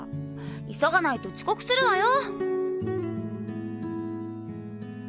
急がないと遅刻するわよ。